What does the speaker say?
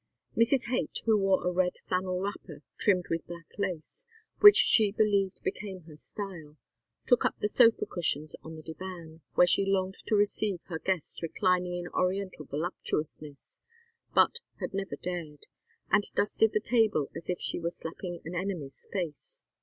Mrs. Haight, who wore a red flannel wrapper trimmed with black lace, which she believed became her style, shook up the sofa cushions on the divan, where she longed to receive her guests reclining in Oriental voluptuousness, but had never dared, and dusted the table as if she were slapping an enemy's face.